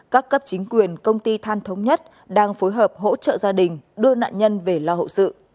các cấp chính quyền công ty than thống nhất đang phối hợp hỗ trợ gia đình đưa nạn nhân về lo hậu sự